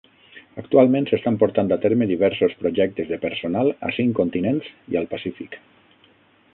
Actualment s"estan portant a terme diversos projectes de personal a cinc continents i al Pacífic.